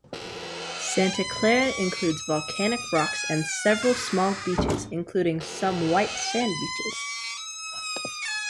Santa Clara includes volcanic rocks and several small beaches, including some white sand beaches.